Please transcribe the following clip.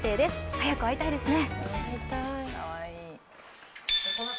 早く会いたいですね。